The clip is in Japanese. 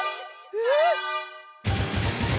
えっ！？